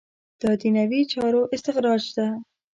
دا دنیوي چارو استخراج ده.